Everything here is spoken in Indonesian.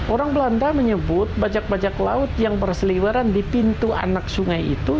orang belanda menyebut bajak bajak laut yang berseliweran di pintu anak sungai itu